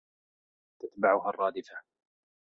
تَتبَعُهَا الرّادِفَةُ